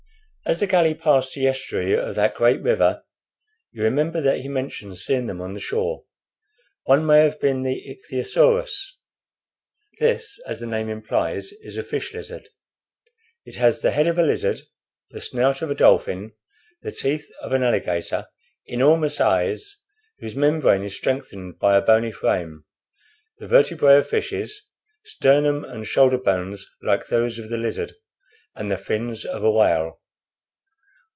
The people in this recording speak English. As the galley passed the estuary of that great river, you remember that he mentions seeing them on the shore. One may have been the Ichthyosaurus. This, as the name implies, is a fish lizard. It has the head of a lizard, the snout of a dolphin, the teeth of an alligator, enormous eyes, whose membrane is strengthened by a bony frame, the vertebrae of fishes, sternum and shoulder bones like those of the lizard, and the fins of a whale.